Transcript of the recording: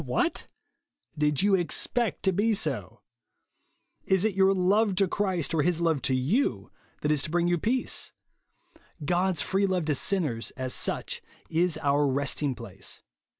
What ! Did you expect to be so ? Is it your love to Christ, or his love to you, that is to bring you peace ? God's free love to sinners, as such, is our resting place.